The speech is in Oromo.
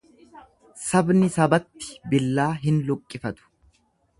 Sabni sabatti billaa hin luqqifatu.